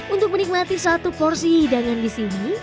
untuk menikmati satu porsi hidangan di sini